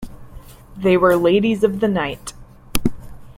They were ladies of the night.